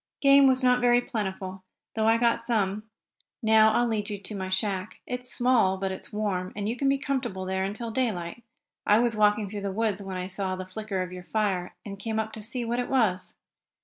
Game was not very plentiful, though I got some. Now I'll lead you to my shack. It's small, but it's warm, and you can be comfortable there until daylight. I was walking through the woods, when I saw the flicker of your fire, and came up to see what it was."